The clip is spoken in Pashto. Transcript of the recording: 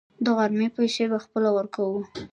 د غرمې پیسې به خپله ورکوو.